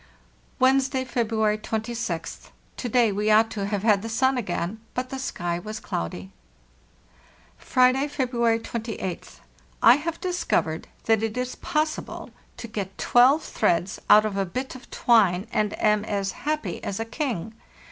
"Wednesday, February 26th. To day we ought to have had the sun again, but the sky was cloudy. "Friday, February 28th. I have discovered that it is possible to get 12 threads out of a bit of twine, and am as happy as a king.